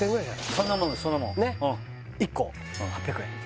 そんなもんそんなもん１個８００円